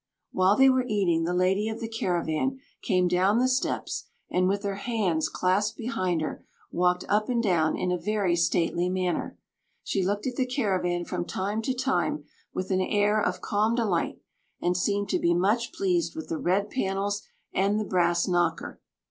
While they were eating, the lady of the caravan came down the steps, and with her hands clasped behind her, walked up and down in a very stately manner. She looked at the caravan from time to time with an air of calm delight, and seemed to be much pleased with the red panels and the brass knocker.